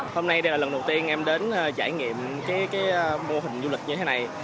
hôm nay đây là lần đầu tiên em đến trải nghiệm mô hình du lịch như thế này